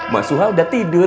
mas suha udah tidur